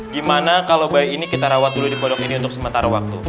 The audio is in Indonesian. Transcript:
gimana kalau bayi ini kita rawat dulu di pondok ini untuk sementara waktu